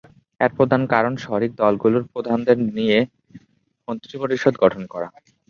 এর প্রধান কারণ শরিক দলগুলোর প্রধানদের নিয়ে মন্ত্রিপরিষদ গঠন করা।